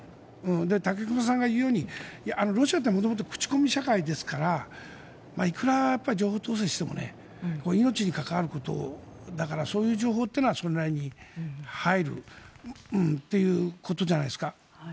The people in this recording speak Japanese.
武隈さんが言うようにロシアって元々口コミ社会ですからいくら情報統制しても命に関わることだからそういう情報はそれなりに入るということじゃないですか。